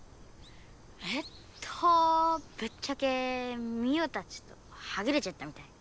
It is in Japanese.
えっとぶっちゃけミオたちとはぐれちゃったみたい。